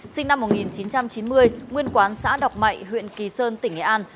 sinh năm một nghìn chín trăm chín mươi nguyên quán xã đọc mại huyện kỳ sơn tỉnh nghệ an